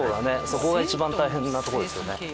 そこが一番大変なとこですよね。